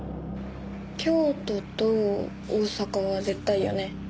京都と大阪は絶対よね？